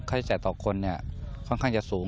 ใช้จ่ายต่อคนค่อนข้างจะสูง